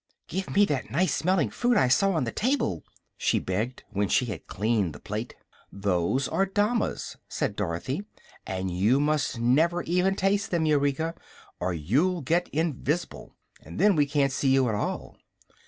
"Give me that nice smelling fruit I saw on the table," she begged, when she had cleaned the plate. "Those are damas," said Dorothy, "and you must never even taste them, Eureka, or you'll get invis'ble, and then we can't see you at all."